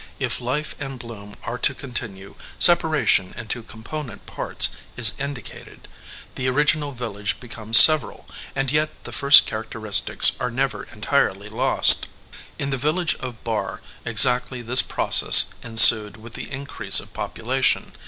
If life and bloom are to continue, separation into component parts is indicated. The original village becomes several, and yet the first characteristics are never entirely lost. In the village of Barr exactly this process en sued with the increase of population.